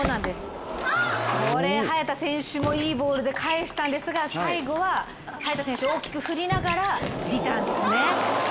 これ早田選手もいいボールで返したんですが最後は早田選手、大きく振りながらリターンですね。